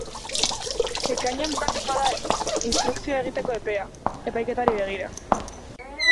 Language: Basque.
Ekainean bukatuko da instrukzioa egiteko epea, epaiketari begira.